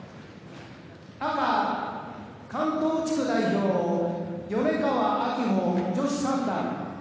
赤、関東地区代表米川明穂、女子三段。